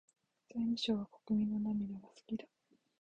財務省は国民の涙が好きだ。